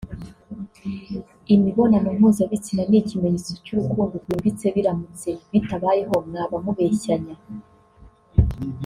imibonano mpuzabitsina ni ikimenyetso cy’urukundo rwimbitse biramutse bitabayeho mwaba mubeshyanya